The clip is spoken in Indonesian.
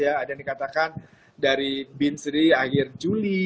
ada yang dikatakan dari bin sri akhir juli